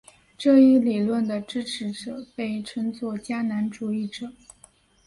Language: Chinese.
这一理论的支持者被称作迦南主义者。